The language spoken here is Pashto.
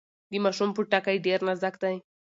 د ماشوم پوټکی ډیر نازک دی۔